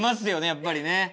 やっぱりね。